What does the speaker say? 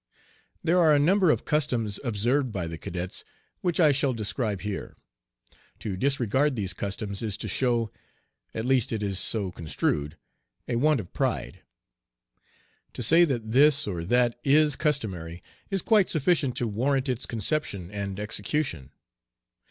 There are a number of customs observed by the cadets which I shall describe here. To disregard these customs is to show at least it is so construed a want of pride. To say that this or that "is customary," is quite sufficient to warrant its conception and execution.